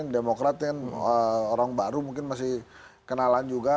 demokrat kan orang baru mungkin masih kenalan juga